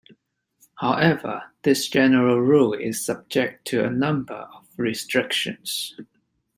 However, this general rule is subject to a number of restrictions.